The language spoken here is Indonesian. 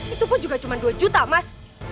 itu pun juga cuma dua juta mas